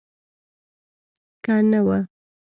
که نه وه.